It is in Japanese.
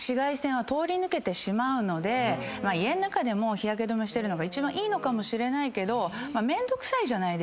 家の中でも日焼け止めしてるのが一番いいのかもしれないけどめんどくさいじゃない。